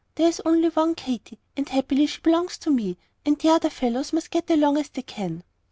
There is only one Katy; and happily she belongs to me, and the other fellows must get along as they can."